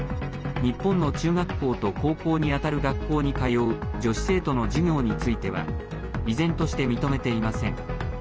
日本の中学校と高校にあたる学校に通う女子生徒の授業については依然として認めていません。